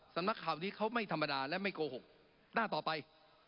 สำนักข่าวนี้เขาไม่ธรรมดาและไม่โกหกหน้าต่อไป